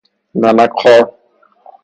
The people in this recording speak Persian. نمک خوار